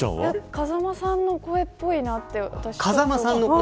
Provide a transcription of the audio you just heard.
風間さんの声っぽいなって思う。